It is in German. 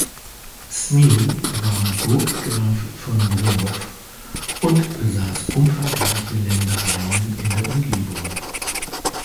Smil war Burggraf von Brumov und besaß umfangreiche Ländereien in der Umgebung.